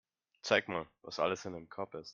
Zeig mal, was alles in dem Korb ist.